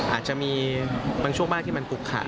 อาจจะมีบางช่วงมากที่มันปลุกขะ